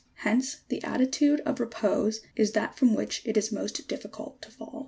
Hence the attitude of re pose is that from which it is most difficult to fall.